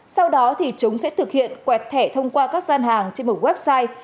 sau đó thì chúng sẽ thực hiện quẹt thẻ thông qua các gian hàng trên một website